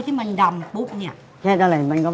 ที่มันดำปุ๊บเนี่ย